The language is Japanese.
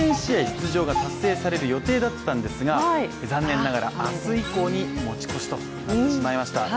出場が達成される予定だったんですが残念ながら明日以降に持ち越しとなってしまいました。